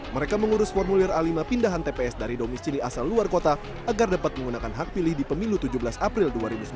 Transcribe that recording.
mereka mengurus formulir a lima pindahan tps dari domisili asal luar kota agar dapat menggunakan hak pilih di pemilu tujuh belas april dua ribu sembilan belas